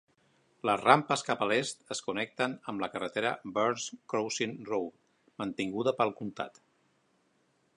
Les rampes cap a l'est es connecten amb la carretera Burns Crossing Road, mantinguda pel comtat.